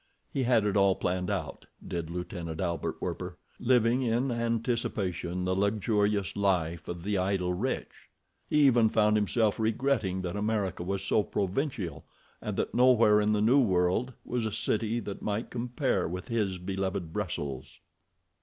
He had it all planned out, did Lieutenant Albert Werper, living in anticipation the luxurious life of the idle rich. He even found himself regretting that America was so provincial, and that nowhere in the new world was a city that might compare with his beloved Brussels.